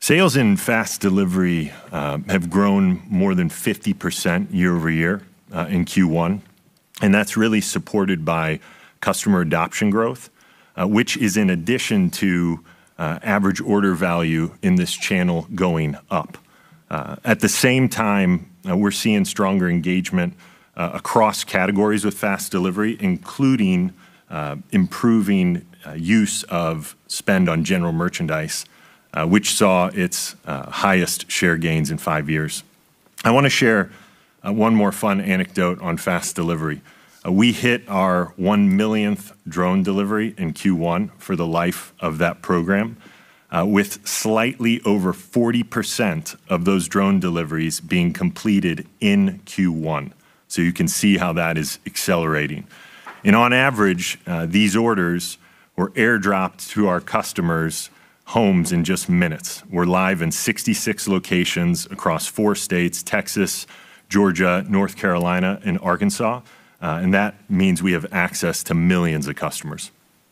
Sales in fast delivery have grown more than 50% year-over-year in Q1. That's really supported by customer adoption growth, which is in addition to average order value in this channel going up. At the same time, we're seeing stronger engagement across categories with fast delivery, including improving use of spend on general merchandise, which saw its highest share gains in five years. I want to share one more fun anecdote on fast delivery. We hit our 1 millionth drone delivery in Q1 for the life of that program, with slightly over 40% of those drone deliveries being completed in Q1. You can see how that is accelerating. On average, these orders were airdropped to our customers' homes in just minutes. We're live in 66 locations across four states, Texas, Georgia, North Carolina, and Arkansas. That means we have access to millions of customers.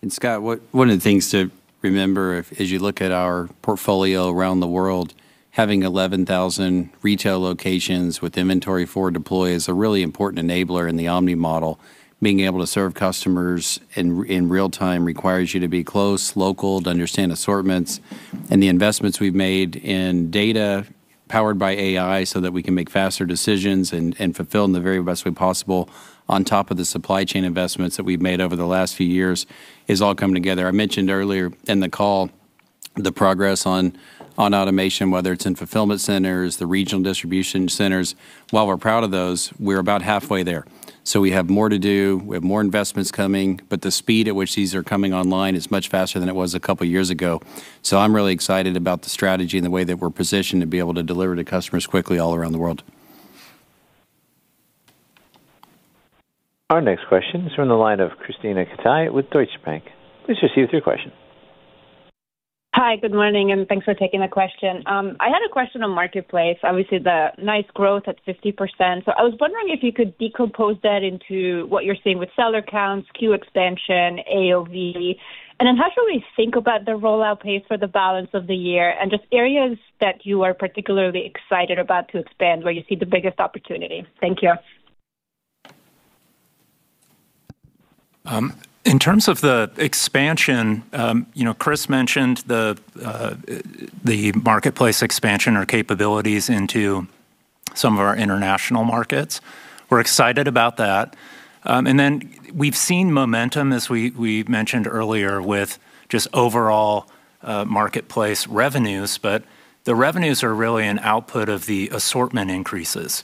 Scot, one of the things to remember as you look at our portfolio around the world, having 11,000 retail locations with inventory for deploy is a really important enabler in the omni-model. Being able to serve customers in real-time requires you to be close, local, to understand assortments. The investments we've made in data powered by AI so that we can make faster decisions and fulfill in the very best way possible, on top of the supply chain investments that we've made over the last few years, is all coming together. I mentioned earlier in the call the progress on automation, whether it's in Fulfillment Centers, the regional Distribution Centers. While we're proud of those, we're about halfway there. We have more to do. We have more investments coming, the speed at which these are coming online is much faster than it was a couple of years ago. I'm really excited about the strategy and the way that we're positioned to be able to deliver to customers quickly all around the world. Our next question is from the line of Krisztina Katai with Deutsche Bank. Please proceed with your question. Hi, good morning, and thanks for taking the question. I had a question on Marketplace. Obviously, the nice growth at 50%. I was wondering if you could decompose that into what you're seeing with seller counts, SKU expansion, AOV, and then how should we think about the rollout pace for the balance of the year, and just areas that you are particularly excited about to expand where you see the biggest opportunity. Thank you. In terms of the expansion, Chris mentioned the marketplace expansion or capabilities into some of our international markets. We're excited about that. We've seen momentum as we mentioned earlier with just overall marketplace revenues, but the revenues are really an output of the assortment increases.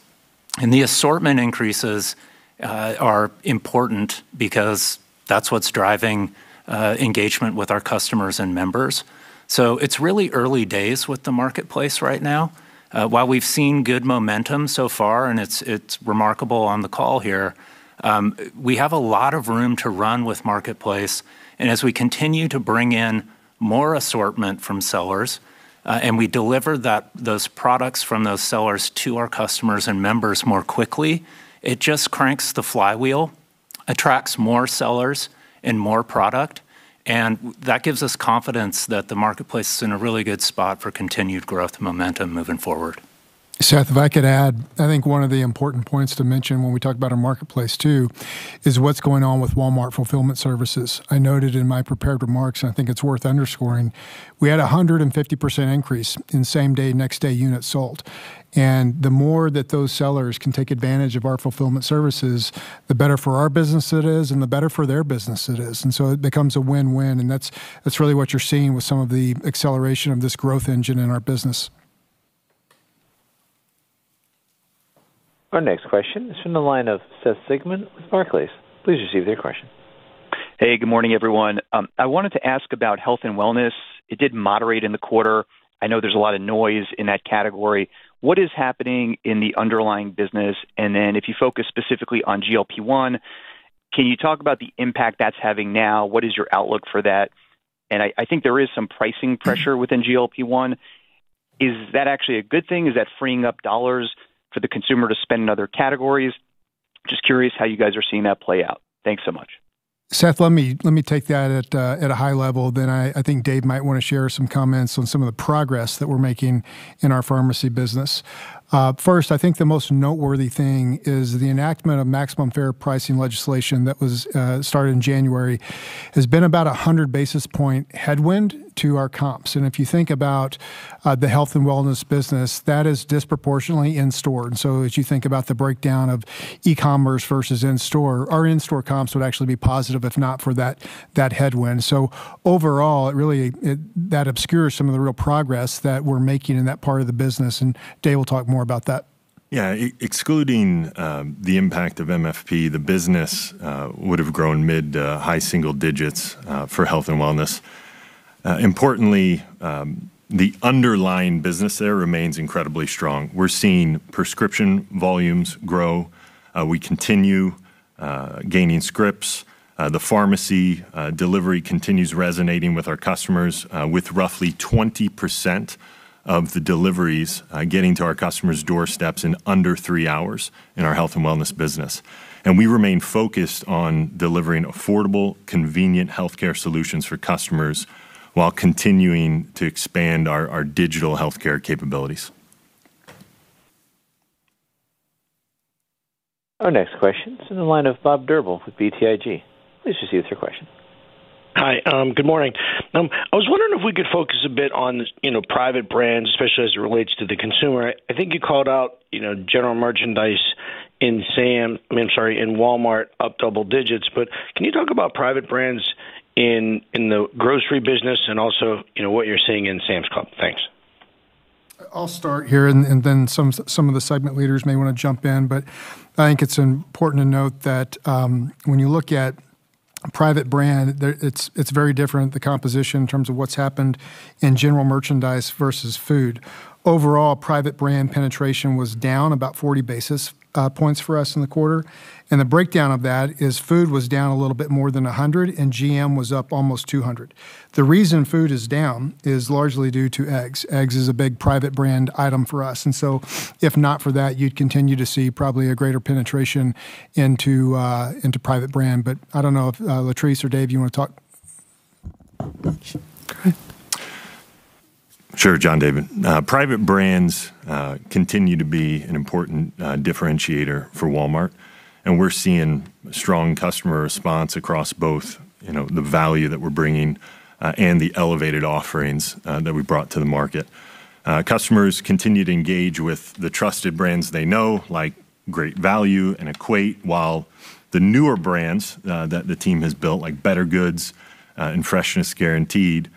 The assortment increases are important because that's what's driving engagement with our customers and members. It's really early days with the marketplace right now. While we've seen good momentum so far, and it's remarkable on the call here, we have a lot of room to run with Marketplace. As we continue to bring in more assortment from sellers, and we deliver those products from those sellers to our customers and members more quickly, it just cranks the flywheel, attracts more sellers and more product, and that gives us confidence that the Marketplace is in a really good spot for continued growth momentum moving forward. Seth, if I could add, I think one of the important points to mention when we talk about our marketplace too, is what's going on with Walmart Fulfillment Services. I noted in my prepared remarks, I think it's worth underscoring, we had 150% increase in same-day, next-day units sold. The more that those sellers can take advantage of our fulfillment services, the better for our business it is and the better for their business it is. It becomes a win-win, and that's really what you're seeing with some of the acceleration of this growth engine in our business. Our next question is from the line of Seth Sigman with Barclays. Please proceed with your question. Hey, good morning, everyone. I wanted to ask about health and wellness. It did moderate in the quarter. I know there's a lot of noise in that category. What is happening in the underlying business? If you focus specifically on GLP-1, can you talk about the impact that's having now? What is your outlook for that? I think there is some pricing pressure within GLP-1. Is that actually a good thing? Is that freeing up dollars for the consumer to spend in other categories? Just curious how you guys are seeing that play out. Thanks so much. Seth, let me take that at a high level. I think Dave might want to share some comments on some of the progress that we're making in our pharmacy business. I think the most noteworthy thing is the enactment of Maximum Fair Price legislation that started in January, has been about 100 basis point headwind to our comps. If you think about the health and wellness business, that is disproportionately in-store. As you think about the breakdown of e-commerce versus in-store, our in-store comps would actually be positive if not for that headwind. Overall, that obscures some of the real progress that we're making in that part of the business, and Dave will talk more about that. Yeah. Excluding the impact of MFP, the business would've grown mid-to-high single digits for health and wellness. Importantly, the underlying business there remains incredibly strong. We're seeing prescription volumes grow. We continue gaining scripts. The pharmacy delivery continues resonating with our customers, with roughly 20% of the deliveries getting to our customers' doorsteps in under three hours in our health and wellness business. We remain focused on delivering affordable, convenient healthcare solutions for customers while continuing to expand our digital healthcare capabilities. Our next question is in the line of Bob Drbul with BTIG. Please proceed with your question. Hi. Good morning. I was wondering if we could focus a bit on private brands, especially as it relates to the consumer. I think you called out general merchandise in Walmart up double digits. Can you talk about private brands in the grocery business and also what you're seeing in Sam's Club? Thanks. I'll start here, and then some of the segment leaders may want to jump in. I think it's important to note that, when you look at private brand, it's very different, the composition in terms of what's happened in general merchandise versus food. Overall, private brand penetration was down about 40 basis points for us in the quarter, and the breakdown of that is food was down a little bit more than 100, and GM was up almost 200. The reason food is down is largely due to eggs. Eggs is a big private brand item for us. If not for that, you'd continue to see probably a greater penetration into private brand. I don't know if, Latriece or Dave, you want to talk? Go ahead. Sure. John David. Private brands continue to be an important differentiator for Walmart, and we're seeing strong customer response across both the value that we're bringing and the elevated offerings that we've brought to the market. Customers continue to engage with the trusted brands they know, like Great Value and Equate, while the newer brands that the team has built, like bettergoods and Freshness Guaranteed,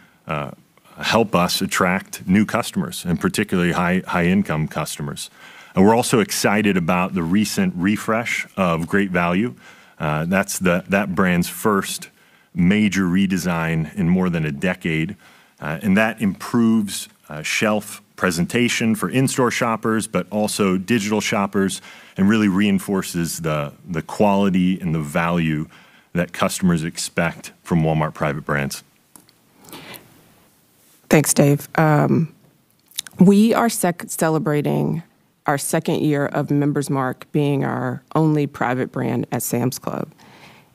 help us attract new customers, and particularly high-income customers. We're also excited about the recent refresh of Great Value. That's that brand's first major redesign in more than a decade. That improves shelf presentation for in-store shoppers, but also digital shoppers, and really reinforces the quality and the value that customers expect from Walmart private brands. Thanks, Dave. We are celebrating our second year of Member's Mark being our only private brand at Sam's Club.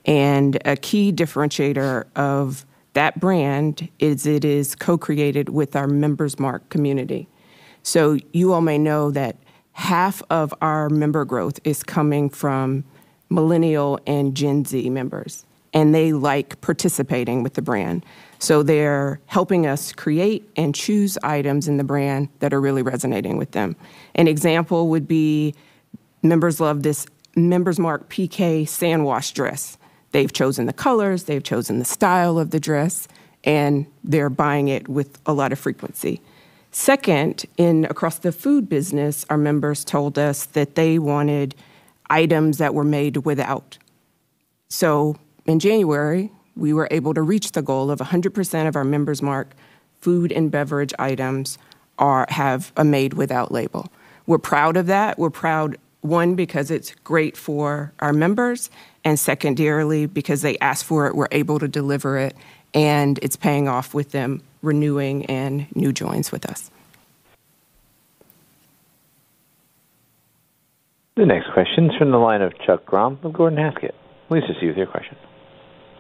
A key differentiator of that brand is it is co-created with our Member's Mark community. You all may know that half of our member growth is coming from Millennial and Gen Z members, and they like participating with the brand. They're helping us create and choose items in the brand that are really resonating with them. An example would be members love this Member's Mark Piqué sand wash dress. They've chosen the colors, they've chosen the style of the dress, and they're buying it with a lot of frequency. Second, across the food business, our members told us that they wanted items that were made without. In January, we were able to reach the goal of 100% of our Member's Mark food and beverage items have a Made Without label. We're proud of that. We're proud, one, because it's great for our members, and secondarily because they asked for it, we're able to deliver it, and it's paying off with them renewing and new joins with us. The next question's from the line of Chuck Grom with Gordon Haskett. Please proceed with your question.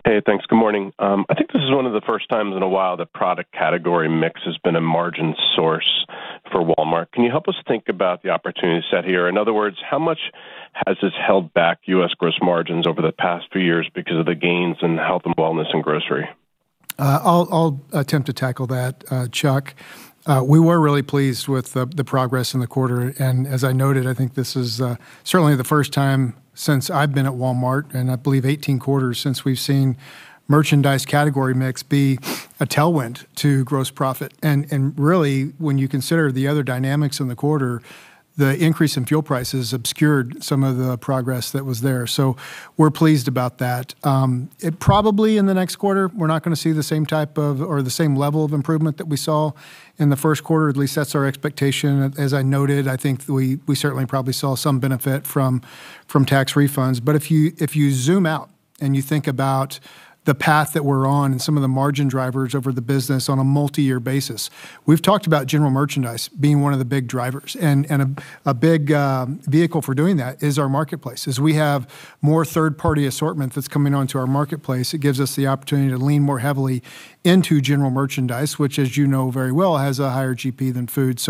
Hey, thanks. Good morning. I think this is one of the first times in a while that product category mix has been a margin source for Walmart. Can you help us think about the opportunity set here? In other words, how much has this held back U.S. gross margins over the past few years because of the gains in health and wellness and grocery? I'll attempt to tackle that, Chuck. We were really pleased with the progress in the quarter. As I noted, I think this is certainly the first time since I've been at Walmart, and I believe 18 quarters since we've seen merchandise category mix be a tailwind to gross profit. Really, when you consider the other dynamics in the quarter, the increase in fuel prices obscured some of the progress that was there. We're pleased about that. Probably in the next quarter, we're not going to see the same type of, or the same level of improvement that we saw in the first quarter. At least that's our expectation. As I noted, I think we certainly probably saw some benefit from tax refunds. If you zoom out and you think about the path that we're on and some of the margin drivers over the business on a multi-year basis, we've talked about general merchandise being one of the big drivers. A big vehicle for doing that is our marketplace. As we have more third-party assortment that's coming onto our marketplace, it gives us the opportunity to lean more heavily into general merchandise, which as you know very well, has a higher GP than food.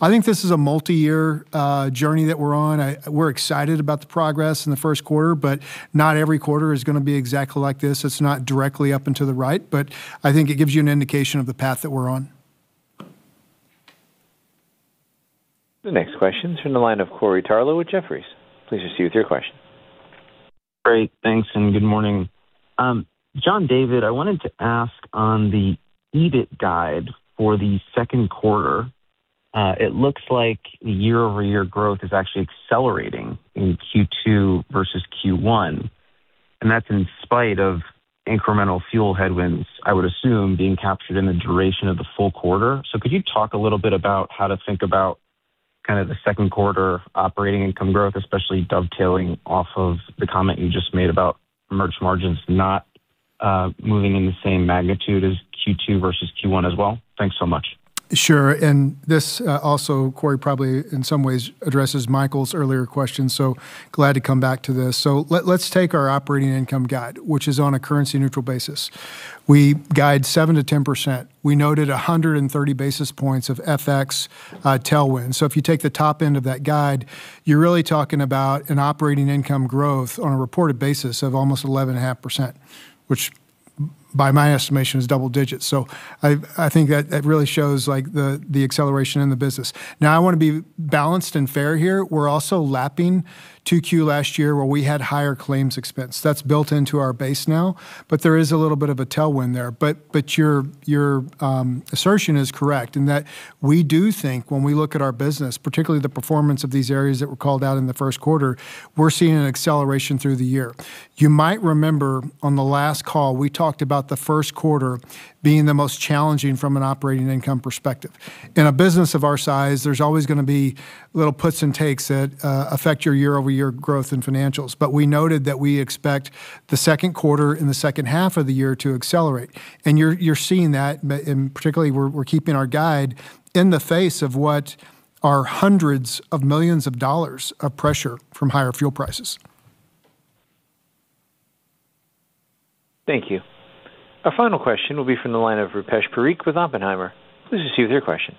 I think this is a multi-year journey that we're on. We're excited about the progress in the first quarter, but not every quarter is going to be exactly like this. It's not directly up and to the right, but I think it gives you an indication of the path that we're on. The next question's from the line of Corey Tarlowe with Jefferies. Please proceed with your question. Great. Thanks, good morning. John David, I wanted to ask on the EBIT guide for the second quarter. It looks like year-over-year growth is actually accelerating in Q2 versus Q1, and that's in spite of incremental fuel headwinds, I would assume, being captured in the duration of the full quarter. Could you talk a little bit about how to think about the second quarter operating income growth, especially dovetailing off of the comment you just made about merch margins not moving in the same magnitude as Q2 versus Q1 as well? Thanks so much. Sure. This also, Corey, probably in some ways addresses Michael's earlier question, so glad to come back to this. Let's take our operating income guide, which is on a currency-neutral basis. We guide 7%-10%. We noted 130 basis points of FX tailwind. If you take the top end of that guide, you're really talking about an operating income growth on a reported basis of almost 11.5%, which by my estimation is double digits. I think that really shows the acceleration in the business. I want to be balanced and fair here. We're also lapping 2Q last year, where we had higher claims expense. That's built into our base now, but there is a little bit of a tailwind there. Your assertion is correct in that we do think when we look at our business, particularly the performance of these areas that were called out in the first quarter, we're seeing an acceleration through the year. You might remember on the last call, we talked about the first quarter being the most challenging from an operating income perspective. In a business of our size, there's always going to be little puts and takes that affect your year-over-year growth and financials. We noted that we expect the second quarter and the second half of the year to accelerate. You're seeing that, and particularly we're keeping our guide in the face of what are hundreds of millions of dollars of pressure from higher fuel prices. Thank you. Our final question will be from the line of Rupesh Parikh with Oppenheimer. Please proceed with your question.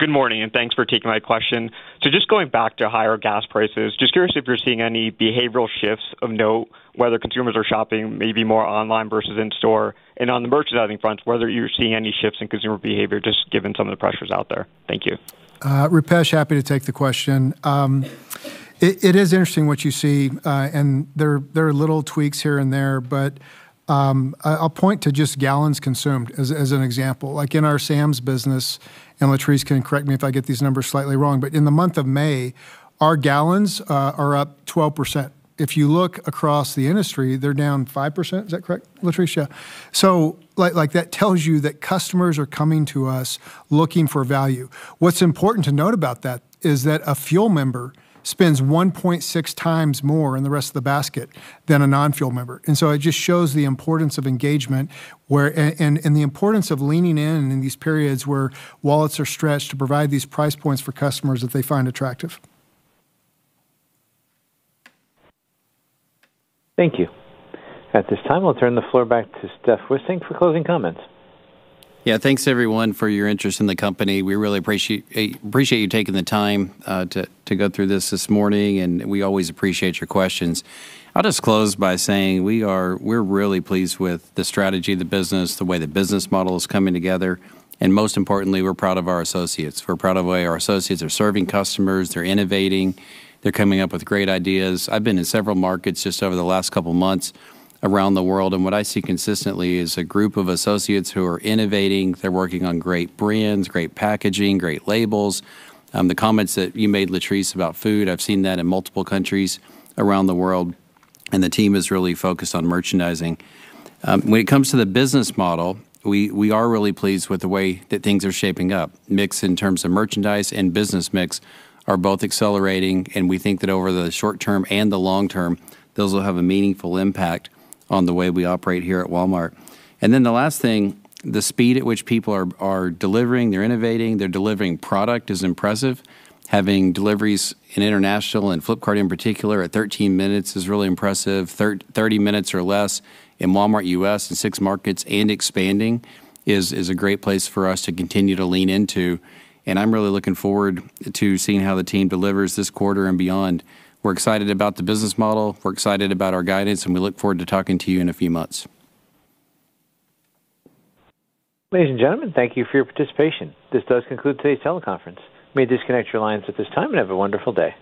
Good morning, thanks for taking my question. Just going back to higher gas prices, just curious if you're seeing any behavioral shifts of note, whether consumers are shopping maybe more online versus in-store, and on the merchandising front, whether you're seeing any shifts in consumer behavior, just given some of the pressures out there. Thank you. Rupesh, happy to take the question. It is interesting what you see, and there are little tweaks here and there, but I'll point to just gallons consumed as an example. Like in our Sam's business, and Latriece can correct me if I get these numbers slightly wrong, but in the month of May, our gallons are up 12%. If you look across the industry, they're down 5%. Is that correct, Latriece? That tells you that customers are coming to us looking for value. What's important to note about that is that a fuel member spends one point six times more in the rest of the basket than a non-fuel member. It just shows the importance of engagement and the importance of leaning in in these periods where wallets are stretched to provide these price points for customers that they find attractive. Thank you. At this time, we'll turn the floor back to Steph Wissink for closing comments. Thanks everyone for your interest in the company. We really appreciate you taking the time to go through this this morning, and we always appreciate your questions. I'll just close by saying we're really pleased with the strategy of the business, the way the business model is coming together, and most importantly, we're proud of our associates. We're proud of the way our associates are serving customers. They're innovating. They're coming up with great ideas. I've been in several markets just over the last couple of months around the world, and what I see consistently is a group of associates who are innovating. They're working on great brands, great packaging, great labels. The comments that you made, Latriece, about food, I've seen that in multiple countries around the world, and the team is really focused on merchandising. When it comes to the business model, we are really pleased with the way that things are shaping up. Mix in terms of merchandise and business mix are both accelerating. We think that over the short term and the long term, those will have a meaningful impact on the way we operate here at Walmart. The last thing, the speed at which people are delivering, they're innovating, they're delivering product is impressive. Having deliveries in international and Flipkart in particular at 13 minutes is really impressive. 30 minutes or less in Walmart U.S. and six markets and expanding is a great place for us to continue to lean into. I'm really looking forward to seeing how the team delivers this quarter and beyond. We're excited about the business model. We're excited about our guidance. We look forward to talking to you in a few months. Ladies and gentlemen, thank you for your participation. This does conclude today's teleconference. You may disconnect your lines at this time, and have a wonderful day.